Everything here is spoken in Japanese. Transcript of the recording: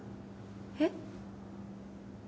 えっ？